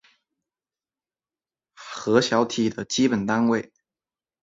核小体的基本单位。